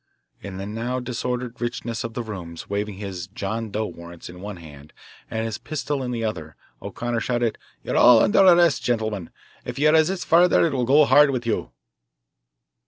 In the now disordered richness of the rooms, waving his "John Doe" warrants in one hand and his pistol in the other, O'Connor shouted "you're all under arrest, gentlemen. If you resist further it will go hard with you."